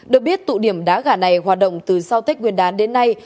được biết tụ điểm đá gà này hoạt động từ sau tết nguyên đán đến nay